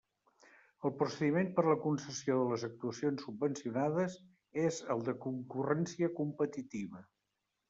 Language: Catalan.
El procediment per a la concessió de les actuacions subvencionades és el de concurrència competitiva.